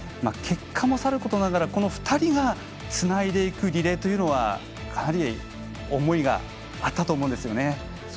結果も、さることながらこの２人がつないでいくリレーというのはかなり思いがあったと思います。